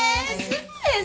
えっ！？